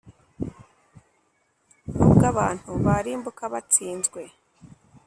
nubwo abantu barimbuka batsinzwe,